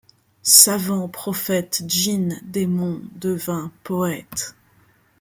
Savants, prophètes, djinns, démons, devins, poètes ;